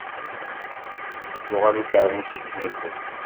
Yuɣal ukermus yettnuzu.